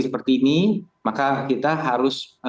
seperti ini maka kita harus